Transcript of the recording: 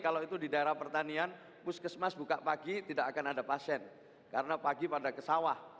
kalau itu di daerah pertanian puskesmas buka pagi tidak akan ada pasien karena pagi pada kesawah